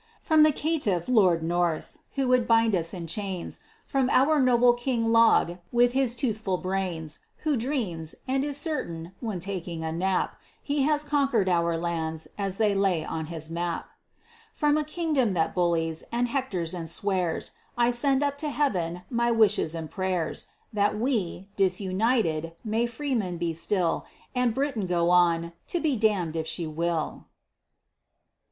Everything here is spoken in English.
From the caitiff, Lord North, who would bind us in chains, From our noble King Log, with his toothful of brains, Who dreams, and is certain (when taking a nap), He has conquered our lands as they lay on his map. From a kingdom that bullies, and hectors, and swears, I send up to Heaven my wishes and prayers That we, disunited, may freemen be still, And Britain go on to be damn'd if she will.